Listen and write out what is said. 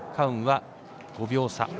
雲は５秒差。